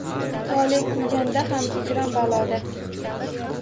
Tole kulganda ham hijron-baloda